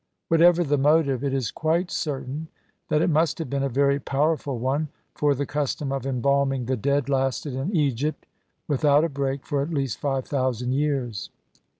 Whatever the motive, it is quite certain that it must have been a very power ful one, for the custom of embalming the dead lasted in Egypt without a break for at least five thousand years.